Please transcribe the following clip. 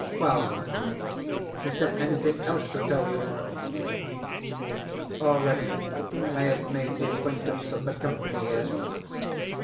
Well, is there anything else to tell you? Already I have made the acquaintance of the company here.